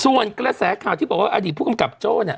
ส่วนกระแสข่าวที่บอกว่าอดีตผู้กำกับโจ้เนี่ย